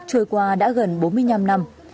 trôi qua đã gần bốn mươi năm năm